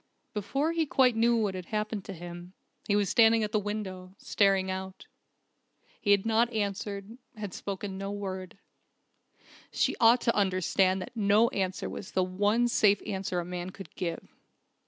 Before he quite knew what had happened to him, he was standing at the window, staring out. He had not answered, had spoken no word. She ought to understand that no answer was the one safe answer a man could give